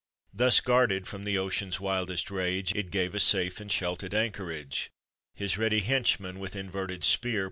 Thus guarded from the ocean's wildest rage, It gave a safe and sheltered anchorage. His ready henchman, with inverted spear.